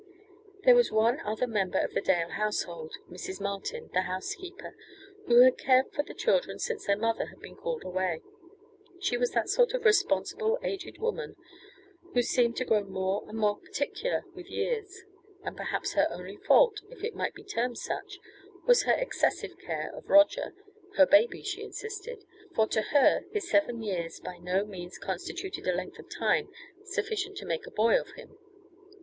There was one other member of the Dale household, Mrs. Martin, the housekeeper, who had cared for the children since their mother had been called away. She was that sort of responsible aged woman who seems to grow more and more particular with years, and perhaps her only fault, if it might be termed such, was her excessive care of Roger her baby, she insisted, for to her his seven years by no means constituted a length of time sufficient to make a boy of him.